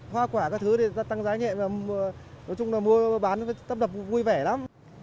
hoa quả các thứ tăng giá nhẹ mua bán tấp đập vui vẻ lắm